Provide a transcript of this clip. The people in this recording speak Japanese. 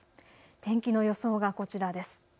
天気の予想がこちらです。